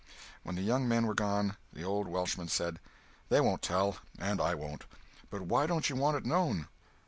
When the young men were gone, the old Welshman said: "They won't tell—and I won't. But why don't you want it known?"